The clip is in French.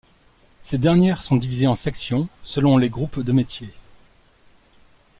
Ces dernières sont divisées en sections selon les groupes de métiers.